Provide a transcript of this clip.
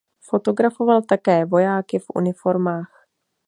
Fotografoval také vojáky v uniformách.